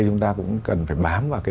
ở đây chúng ta cũng cần phải bám vào